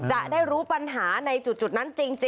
จะได้รู้ปัญหาในจุดนั้นจริง